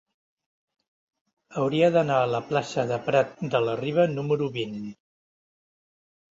Hauria d'anar a la plaça de Prat de la Riba número vint.